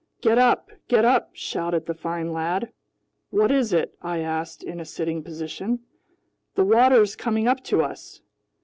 "Get up! Get up!" shouted the fine lad. "What is it?" I asked, in a sitting position. "The water's coming up to us!"